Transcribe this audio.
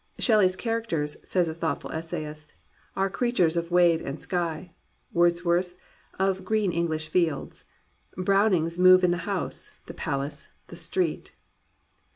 "Shelley's characters," says a thoughtful essayist, "are creatures of wave and sky; Wordsworth's of green English fields; Brown ing's move in the house, the palace, the street."